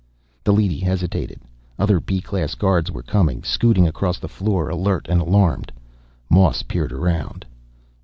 The leady hesitated. Other B class guards were coming, scooting across the floor, alert and alarmed. Moss peered around.